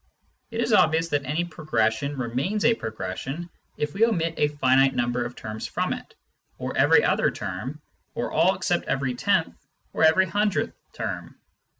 It is obvious that any progression remains a progression if we omit a finite number of terms from it, or every other term, or all except every tenth term or every hundredth term.